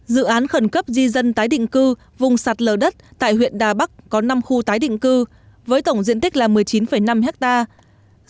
dự án khẩn cấp di dân tái định cư vùng sạt lở đất tại huyện đà bắc có năm khu tái định cư với tổng diện tích là một mươi chín năm hectare